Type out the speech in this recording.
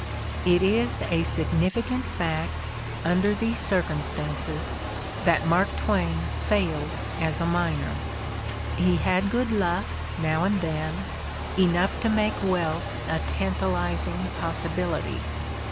It is a significant fact, under these circumstances, that Mark Twain failed as a miner. He had good luck, now and then, enough to make wealth a tantalizing possi bility.